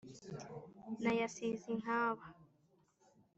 Nayasize inkaba